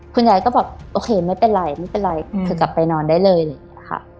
คุณยายก็บอกโอเคไม่เป็นไรไม่เป็นไรคือกลับไปนอนได้เลยค่ะ